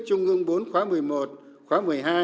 trung ương bốn khóa một mươi một khóa một mươi hai